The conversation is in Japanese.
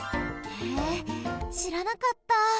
へえしらなかった！